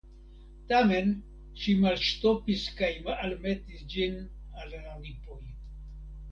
Tamen ŝi malŝtopis kaj almetis ĝin al la lipoj.